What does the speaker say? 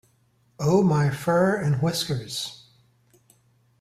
Oh my fur and whiskers!